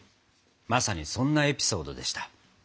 まさにそんなエピソードでした。